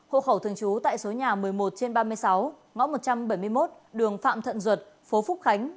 hộ khẩu thường trú tại số nhà một mươi một trên ba mươi sáu ngõ một trăm bảy mươi một đường phạm thận duật phố phúc khánh